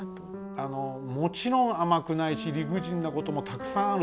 あのもちろん甘くないし理不尽なこともたくさんあるし。